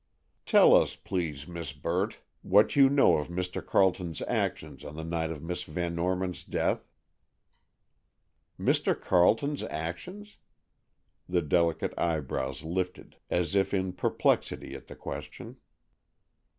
"Tell us, please, Miss Burt, what you know of Mr. Carleton's actions on the night of Miss Van Norman's death." "Mr. Carleton's actions?" The delicate eyebrows lifted as if in perplexity at the question.